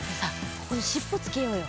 ここにしっぽつけようよ。